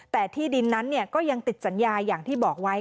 แต่ที่ดินนั้นก็ยังติดสัญญาอย่างที่บอกไว้